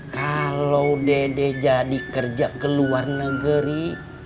kalau dede jadi kerja ke luar negeri